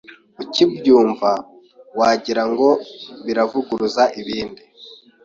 Ukibyumva wagira ngo biravuguruza ibindi